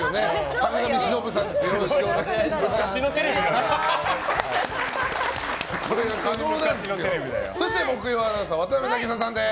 坂上忍さんです。